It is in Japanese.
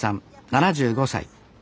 ７５歳。